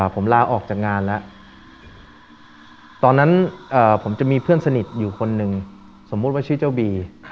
ผมลาออกจากงานแล้วตอนนั้นผมจะมีเพื่อนสนิทอยู่คนหนึ่งสมมุติว่าชื่อเจ้าบี